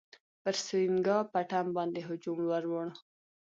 پر سرینګا پټم باندي هجوم ورووړ.